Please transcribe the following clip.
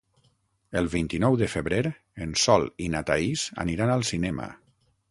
El vint-i-nou de febrer en Sol i na Thaís aniran al cinema.